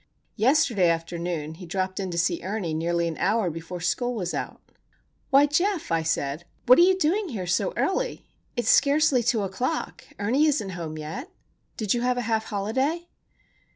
Yesterday afternoon he dropped in to see Ernie nearly an hour before school was out. "Why, Geof," I said, "what are you doing here so early? It is scarcely two o'clock. Ernie isn't home yet. Did you have a half holiday?"